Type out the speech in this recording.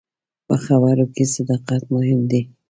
په خبرو کې صداقت مهم دی.